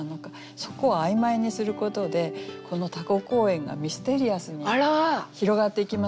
そこを曖昧にすることでこのタコ公園がミステリアスに広がっていきませんか？